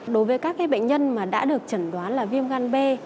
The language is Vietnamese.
đối với các bệnh nhân mà đã được chẩn đoán là viêm gan b